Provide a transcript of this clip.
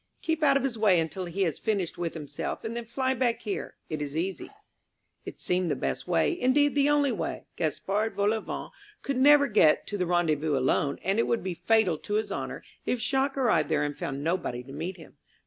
Keep out of his way until he has finished with himself, and then fly back here. It is easy." It seemed the best way; indeed the only way. Gaspard Volauvent could never get to the rendezvous alone, and it would be fatal to his honour if Jacques arrived there and found nobody to meet him.